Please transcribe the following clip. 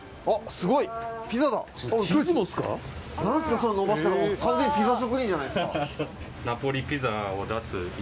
すごい何すかそののばし方完全にピザ職人じゃないですかうわ